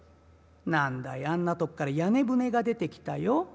何だいあんなとこから屋根船が出てきたよ。